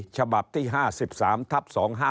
ฉบับที่๕๓ทับ๒๕๖